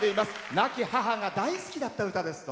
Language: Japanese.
亡き母が大好きだった歌です。